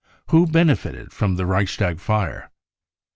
^ 7 ho Benefited from the Reichstag Fire?